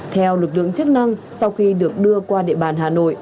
theo lực lượng chức năng sau khi được đưa qua địa bàn hà nội